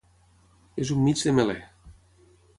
És un mig de melé.